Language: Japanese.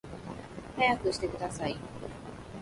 速くしてください